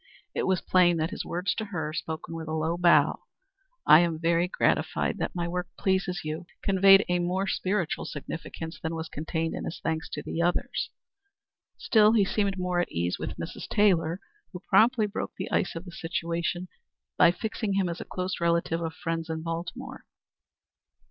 It was plain that his words to her, spoken with a low bow "I am very much gratified that my work pleases you" conveyed a more spiritual significance than was contained in his thanks to the others. Still he seemed more at his ease with Mrs. Taylor, who promptly broke the ice of the situation by fixing him as a close relative of friends in Baltimore.